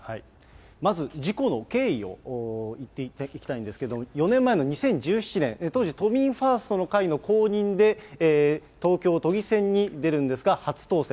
まず、事故の経緯をいきたいんですけれども、４年前の２０１７年、当時、都民ファーストの会の公認で、東京都議選に出るんですが、初当選。